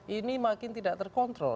ini makin tidak terkontrol